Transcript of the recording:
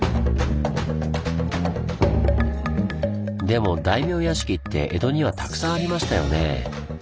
でも大名屋敷って江戸にはたくさんありましたよねぇ。